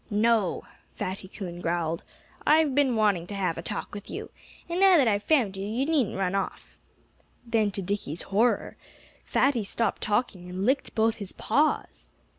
"No!" Fatty Coon growled. "I've been wanting to have a talk with you. And now that I've found you, you needn't run off." Then, to Dickie's horror, Fatty stopped talking and licked both his paws.